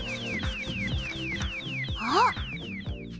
あっ！